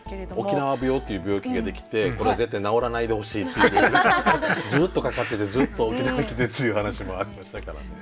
沖縄病っていう病気ができてこれは絶対治らないでほしいっていうずっとかかっててずっと沖縄来てっていう話もありましたからね。